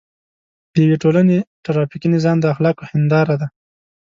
د یوې ټولنې ټرافیکي نظام د اخلاقو هنداره ده.